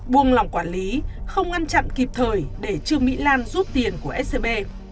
buông lỏng quản lý không ngăn chặn kịp thời để chư mỹ lan rút tiền của scb